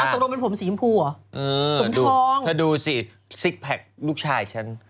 ตรงนั้นมันผมสีอิ้มพูเหรอผมทองถ้าดูสิซิกแพ็กลูกชายฉัน